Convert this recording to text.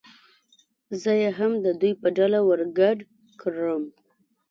زه یې هم د دوی په ډله ور ګډ کړم.